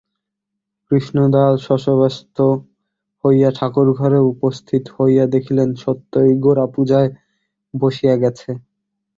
কৃষ্ণদয়াল শশব্যস্ত হইয়া ঠাকুরঘরে উপস্থিত হইয়া দেখিলেন, সত্যই গোরা পূজায় বসিয়া গেছে।